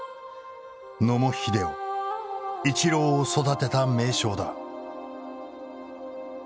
野茂英雄イチローを育てた名将だ。